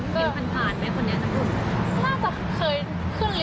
เคยเห็นเห็นพันธาตุไหมคนเนี้ยจากกลุ่ม